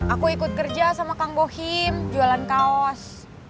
aku ikut kerja sama kang bohim jualan kaos